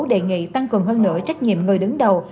đề nghị tăng cường hơn nữa trách nhiệm người đứng đầu